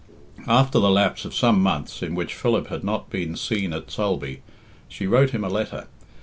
After the lapse of some months, in which Philip had not been seen at Sulby, she wrote him a letter.